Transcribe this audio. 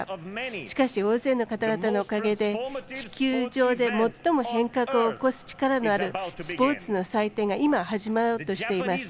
しかし、大勢の方々のおかげで地球上で最も変革を起こす力のあるスポーツの祭典が今、始まろうとしています。